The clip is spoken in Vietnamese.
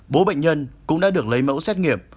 bố bệnh nhân cũng đã được lấy mẫu xét nghiệm